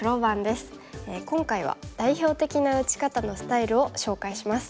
今回は代表的な打ち方のスタイルを紹介します。